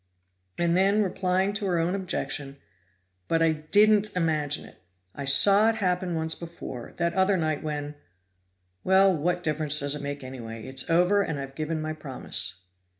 And then, replying to her own objection, "But I didn't imagine it! I saw it happen once before, that other night when Well, what difference does it make, anyway? It's over, and I've given my promise."